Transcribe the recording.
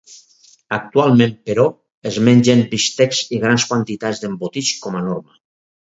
Actualment però es mengen bistecs i grans quantitats d'embotits com a norma.